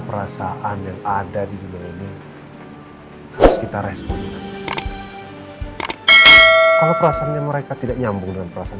perasaan yang ada di dunia ini harus kita respon kalau perasaannya mereka tidak nyambung dengan perasaan